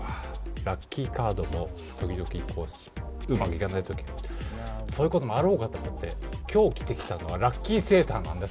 ラッキーカードも時々うまくいかない時があると。ということもあろうかと思って、今日着てきたのはラッキーセーターなんです。